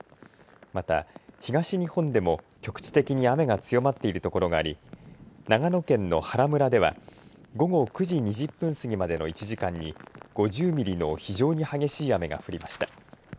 また、東日本でも局地的に雨が強まっている所があり長野県の原村では午後９時２０分過ぎまでの１時間に５０ミリの非常に激しい雨が降りました。